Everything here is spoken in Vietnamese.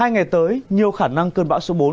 hai ngày tới nhiều khả năng cơn bão số bốn